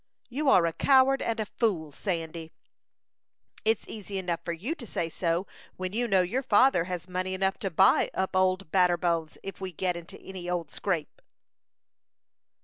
"You are a coward and a fool, Sandy." "It's easy enough for you to say so, when you know your father has money enough to buy up Old Batterbones, if we get into any scrape."